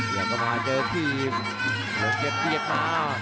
และก็มาเดินที่หลงเกดโอเคยท์มา